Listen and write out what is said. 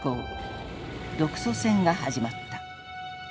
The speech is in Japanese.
独ソ戦が始まった。